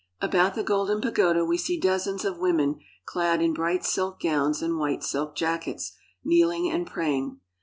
About the Golden Pagoda we see dozens of women, clad in bright silk gowns and white silk jackets, kneeling and praying.